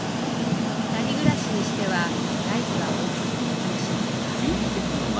二人暮らしにしてはサイズが大きすぎる気もしますが。